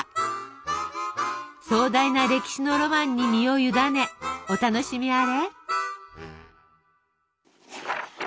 壮大な歴史のロマンに身を委ねお楽しみあれ。